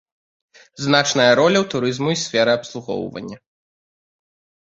Значная роля турызму і сферы абслугоўвання.